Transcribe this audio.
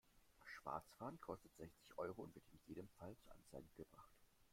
Schwarzfahren kostet sechzig Euro und wird in jedem Fall zur Anzeige gebracht.